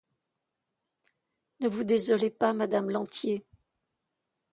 Ne vous désolez pas, madame Lantier.